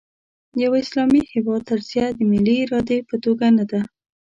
د یوه اسلامي هېواد تجزیه د ملي ارادې په توګه نه ده.